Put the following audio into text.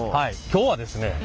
今日はですね